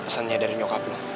pesannya dari nyokap lo